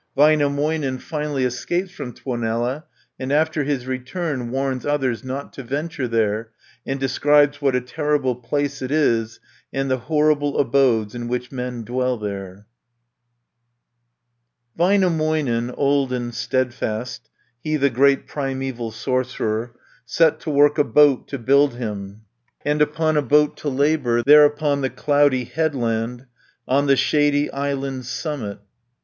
Väinämöinen finally escapes from Tuonela, and after his return warns others not to venture there, and describes what a terrible place it is and the horrible abodes in which men dwell there (363 412). Väinämöinen, old and steadfast, He the great primeval sorcerer, Set to work a boat to build him, And upon a boat to labour, There upon the cloudy headland, On the shady island's summit.